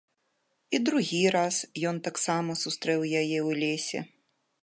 І другі раз ён таксама сустрэў яе ў лесе.